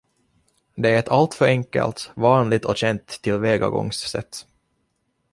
Det är ett alltför enkelt, vanligt och känt tillvägagångssätt.